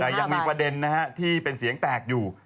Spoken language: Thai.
แต่ยังมีประเด็นนะฮะที่เป็นเสียงแตกอยู่